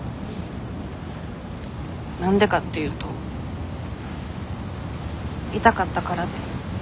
何でかっていうと痛かったからで。